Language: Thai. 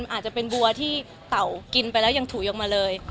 อาจจะเป็นบัวที่เต่ากินไปแล้วยังถูออกมาเลย